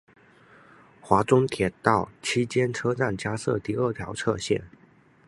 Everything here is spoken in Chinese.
华中铁道期间车站加设第二条侧线。